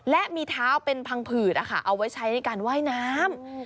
และมีเท้าเป็นพังผืดเอาไว้ใช้ในการว่ายน้ำ